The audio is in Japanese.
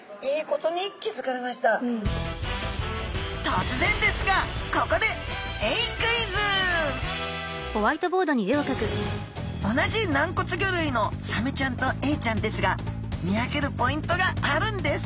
とつぜんですがここで同じ軟骨魚類のサメちゃんとエイちゃんですが見分けるポイントがあるんです。